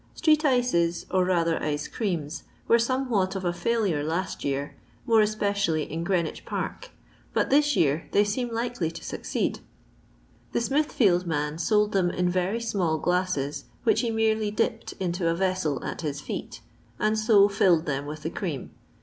Street ices, or rather ice creams, were somewhat of a failure last year, more especially in Greenwich park, but this year they seem likely to succeed. The Smithfield man sold them in very small glasses, which he merely dipped into a vessel at his feet, and so filled them with the cream.